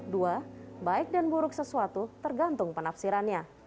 dua baik dan buruk sesuatu tergantung penafsirannya